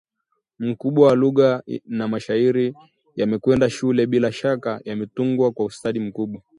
mkubwa wa lugha na mashairi yame kwenda shule bila shaka yametungwa kwa ustadi mkubwa